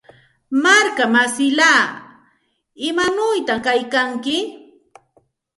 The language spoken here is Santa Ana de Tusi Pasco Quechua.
Markamsillaa, ¿imanawta kaykanki?